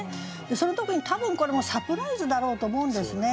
その時に多分これもサプライズだろうと思うんですね。